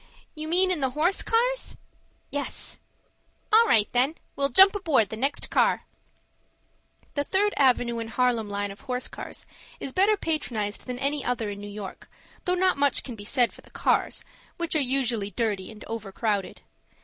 "You mean in the horse cars?" "Yes." "All right then. We'll jump aboard the next car." The Third Avenue and Harlem line of horse cars is better patronized than any other in New York, though not much can be said for the cars, which are usually dirty and overcrowded.